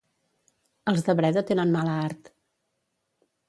Els de Breda tenen mala art.